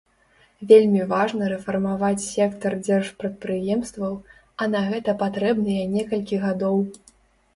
Вельмі важна рэфармаваць сектар дзяржпрадпрыемстваў, а на гэта патрэбныя некалькі гадоў.